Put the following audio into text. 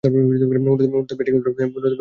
মূলতঃ ব্যাটিং উদ্বোধনে মাঠে নামতেন।